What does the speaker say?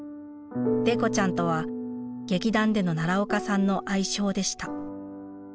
デコちゃんとは劇団での奈良岡さんの愛称でした。